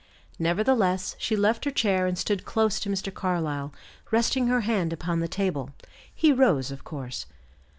Nevertheless, she left her chair and stood close to Mr. Carlyle, resting her hand upon the table. He rose, of course.